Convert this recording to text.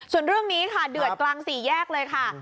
ส่วนเรื่องนี้ค่ะเดือดกลางสี่แยกเลยค่ะ